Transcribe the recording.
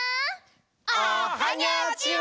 おはにゃちは！